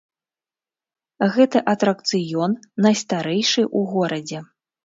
Гэты атракцыён найстарэйшы ў горадзе.